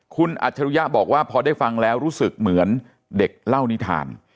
คุณอัจฉริยะบอกว่าพอได้ฟังแล้วรู้สึกเหมือนเด็กเล่านิทาน